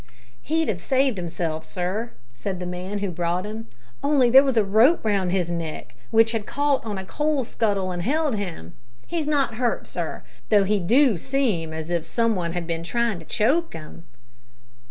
"He'd have saved himself, sir," said the man who brought him, "only there was a rope round his neck, which had caught on a coal scuttle and held him. He's not hurt, sir, though he do seem as if some one had bin tryin' to choke him."